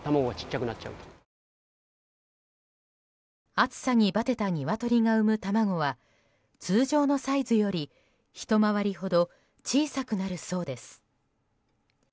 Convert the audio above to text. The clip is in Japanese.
暑さにバテたニワトリが産む卵は通常のサイズよりひと回りほど小さくなるそうです。